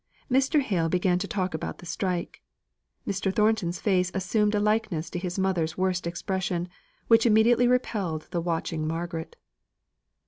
Mr. Hale began to talk about the strike. Mr. Thornton's face assumed a likeness to his mother's worst expression, which immediately repelled the watching Margaret.